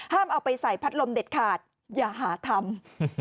เอาไปใส่พัดลมเด็ดขาดอย่าหาทำ